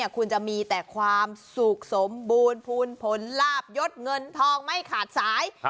คุณจะมีแต่ความสุขสมบูรณ์ภูมิผลลาบยศเงินทองไม่ขาดสาย